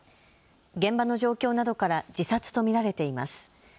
現場の状況などから自殺と見られています。